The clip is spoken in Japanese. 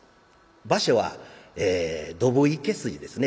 場所は丼池筋ですね。